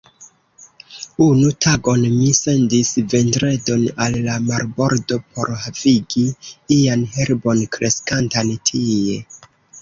Unu tagon mi sendis Vendredon al la marbordo por havigi ian herbon kreskantan tie.